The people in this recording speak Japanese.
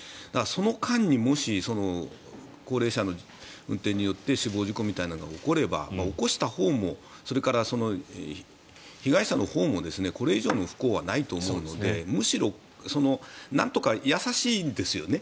その間にもし高齢者の運転によって死亡事故みたいなのが起こればまあ、起こしたほうもそれから、被害者のほうもこれ以上の不幸はないと思うのでむしろなんとか優しいんですよね。